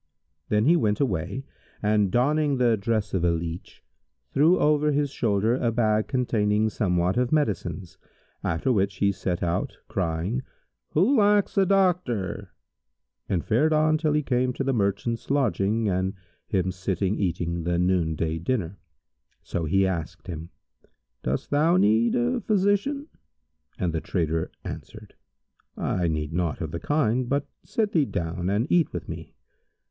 Then he went away and, donning the dress of a leach, threw over his shoulder a bag containing somewhat of medicines, after which he set out, crying, 'Who lacks a doctor?' and fared on till he came to the merchant's lodging and him sitting eating the noon day dinner. So he asked him, "Dost thou need thee a physician?"; and the trader answered, "I need naught of the kind, but sit thee down and eat with me."